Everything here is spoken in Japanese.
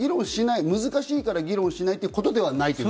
難しいから議論しないということじゃないと。